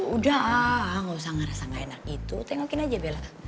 udah gak usah ngerasa gak enak gitu tengokin aja bella